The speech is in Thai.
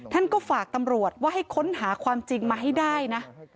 ท่านก็ฝากตำรวจว่าให้ค้นหาความจริงมาให้ได้นะ